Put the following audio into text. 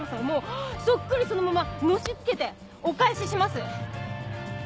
もうそっくりそのままのし付けてお返しします！